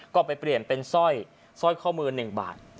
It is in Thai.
ก็ไปเปลี่ยนเป็นสร้อยข้อมือ๑บาท